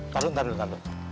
tau ntar dulu ntar dulu